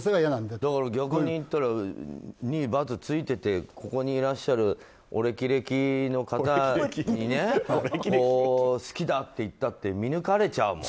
逆に言ったら２バツついててここにいらっしゃるお歴々の方にね好きだって言ったって見抜かれちゃうもん。